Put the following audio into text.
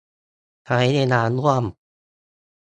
ใช้เวลาร่วม